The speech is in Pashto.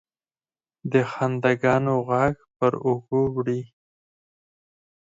د خنداګانو، ږغ پر اوږو وړي